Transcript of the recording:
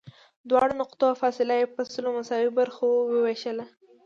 دواړو نقطو فاصله یې په سلو مساوي برخو ووېشله.